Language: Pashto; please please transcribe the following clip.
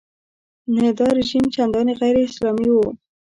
نه دا رژیم چندانې غیراسلامي و.